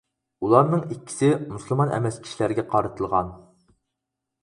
ئۇلارنىڭ ئىككىسى مۇسۇلمان ئەمەس كىشىلەرگە قارىتىلغان.